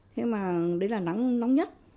thế mà đấy là nóng nhất